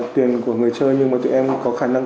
tiền của người chơi nhưng mà tụi em có khả năng